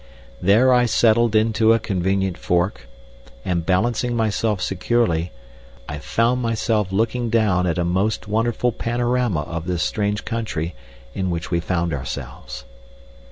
There I settled into a convenient fork, and, balancing myself securely, I found myself looking down at a most wonderful panorama of this strange country in which we found ourselves.